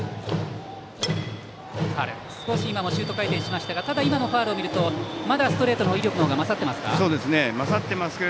今のもシュート回転してましたが今のファウルを見るとまだストレートの威力の方が勝っていますか？